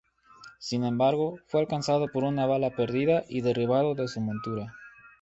Sin embargo fue alcanzado por una bala perdida y derribado de su montura.